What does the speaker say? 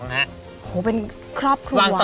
โหเป็นครอบครูวะ